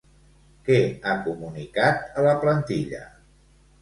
Què ha comunicat a la plantilla?